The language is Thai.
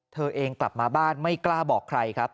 เธอเองกลับมาบ้านไม่กล้าบอกใครครับ